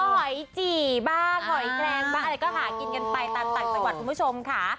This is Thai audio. ก็หอยจี่บ้างหอยแกรงบ้างอะไรก็หากินกันไปตามประวัติคุณผู้ชมค่ะ